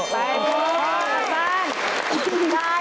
ไปมา